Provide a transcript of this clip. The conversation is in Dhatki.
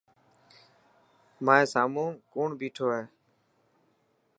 مائي سامون ڪوڻ بيٺو هي.